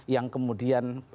yang kemudian berubah